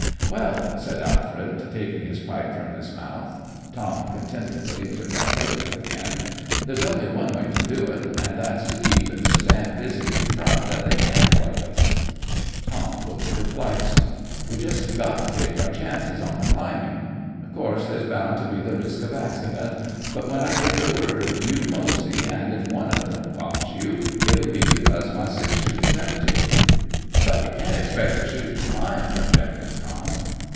"Well," said Alfred, taking his pipe from his mouth Tom contentedly took up whittling again "there's only one way to do it, and that's to keep them so damn busy in front that they can't plug us." Tom looked perplexed. "We just got to take our chances on the climbing. Of course, there's bound to be th' risk of accident. But when I give th' word, you mosey, and if one of them pots you, it'll be because my six shooter's empty." "But you can't expec' t' shoot an' climb!" objected Tom.